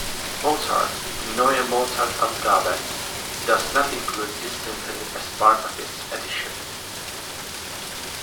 Mozart, the Neue Mozart-Ausgabe does not include this symphony as part of its edition.